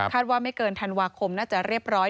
ว่าไม่เกินธันวาคมน่าจะเรียบร้อย